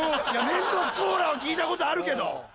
メントスコーラは聞いたことあるけど。